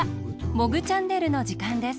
「モグチャンネル」のじかんです。